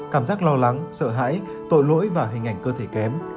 cảm giác lo lắng sợ hãi tội lỗi và hình ảnh cơ thể kém